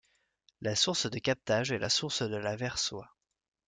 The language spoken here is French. La source de captage est la source de la Versoie.